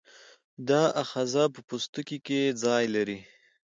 دا آخذه په پوستکي کې ځای لري.